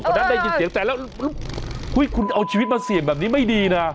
นั้นได้ยินเสียงแต่แล้วคุณเอาชีวิตมาเสี่ยงแบบนี้ไม่ดีนะ